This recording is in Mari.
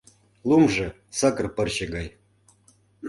Лумжо — сакыр пырче гай.